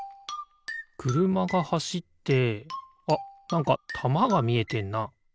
くるまがはしってあっなんかたまがみえてんな。